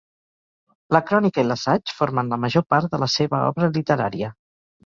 La crònica i l'assaig formen la major part de la seva obra literària.